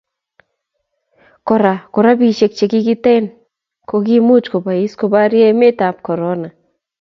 Kora ko robishiek che kikitet ko kiimuch kobois koborie emetab korona